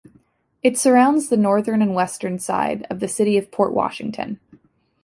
It surrounds the northern and western side of the city of Port Washington.